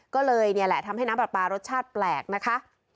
ก็เลยนี่แหละทำให้น้ำปลาปลารสชาติแปลกนะคะ